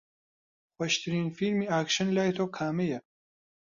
خۆشترین فیلمی ئاکشن لای تۆ کامەیە؟